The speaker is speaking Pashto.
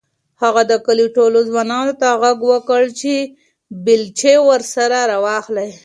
هغه د کلي ټولو ځوانانو ته غږ وکړ چې بیلچې ورسره راواخلي.